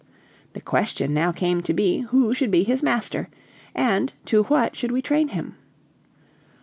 The question now came to be, who should be his master, and to what should we train him?